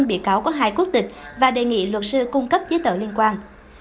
bị cáo có hai quốc tịch và đề nghị luật sư cung cấp giới tờ liên quan